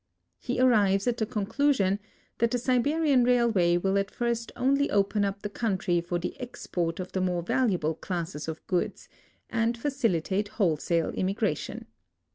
He arrives at tlie con clusion that the Siberian railway will at first onl}' open up the country for the export of the more valuable classes of goods and facilitate w^holesale immigration.